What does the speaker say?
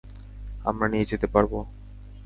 আমরা নিয়ে যেতে পারব।